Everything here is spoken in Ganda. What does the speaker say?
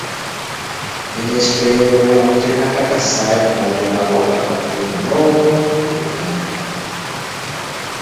Minisitule y'ebyobulamu tennakakasayo mulwadde w'akawuka ka kolona n'omu mu Uganda.